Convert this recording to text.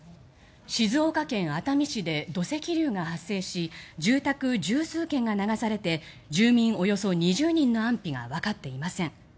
静岡県熱海市で土石流が発生し住宅１０数軒が流されて住人およそ２０人の安否がわかっていません。